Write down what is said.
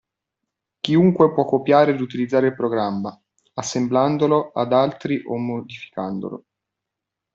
Chiunque può copiare ed utilizzare il programma, assemblandolo ad altri o modificandolo.